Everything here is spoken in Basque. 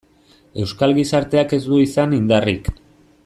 Euskal gizarteak ez du izan indarrik.